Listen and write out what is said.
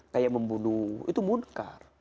kayak membunuh itu munkar